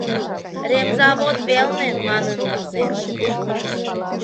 — «Ремзавод велне» манын возен.